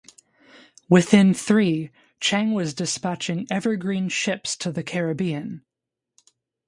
Within three, Chang was dispatching Evergreen ships to the Caribbean.